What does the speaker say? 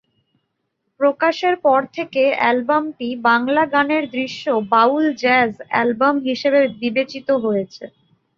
প্রকাশের পর থেকে অ্যালবামটি বাংলা গানের দৃশ্যে বাউল-জ্যাজ অ্যালবাম হিসেবে বিবেচিত হয়েছে।